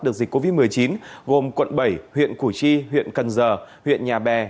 đợt dịch covid một mươi chín gồm quận bảy huyện củ chi huyện cần giờ huyện nhà bè